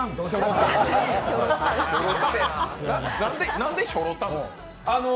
なんで「ひょろたん」？